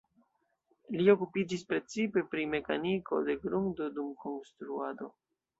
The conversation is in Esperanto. Li okupiĝis precipe pri mekaniko de grundo dum konstruado.